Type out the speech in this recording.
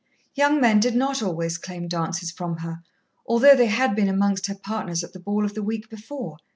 Young men did not always claim dances from her, although they had been amongst her partners at the ball of the week before.